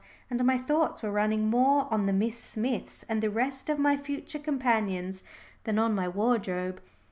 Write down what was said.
And my thoughts were running more on the Miss Smiths and the rest of my future companions than on my wardrobe.